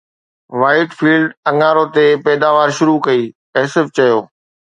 white field اڱارو تي پيداوار شروع ڪئي، ايسو چيو